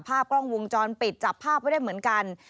ภาพกล้องวงจรปิดจับภาพไว้ได้เหมือนกัน